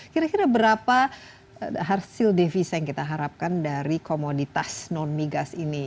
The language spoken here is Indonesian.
kira kira berapa hasil devisa yang kita harapkan dari komoditas non migas ini